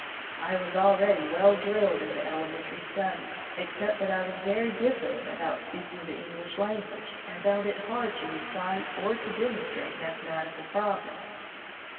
I was ahready well drilled in the elementary studies, except that I was very diffident about speaking the English lan guage, and found it hard to recite or to demonstrate mathematical problems.